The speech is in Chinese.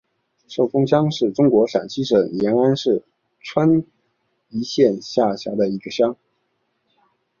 寿峰乡是中国陕西省延安市宜川县下辖的一个乡。